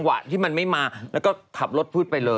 ช่วงหน้าอีกแล้วค่ะช่วงหน้า